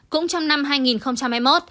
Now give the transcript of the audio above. cũng trong năm hai nghìn hai mươi một